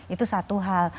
itu satu hal